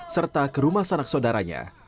serta ke rumah sanak saudaranya